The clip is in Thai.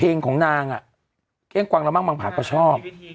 เพลงของนางอ่ะเก้งกวางระมั่งบางผักเขาชอบ